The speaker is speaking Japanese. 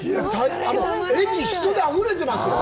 駅、人であふれてますよ。